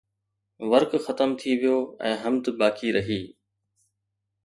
ورق ختم ٿي ويو ۽ حمد باقي رهي